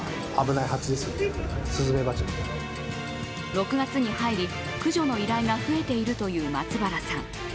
６月に入り、駆除の依頼が増えているという松原さん。